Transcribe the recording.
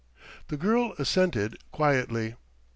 The girl assented quietly....